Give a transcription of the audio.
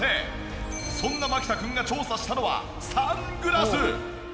そんな牧田君が調査したのはサングラス。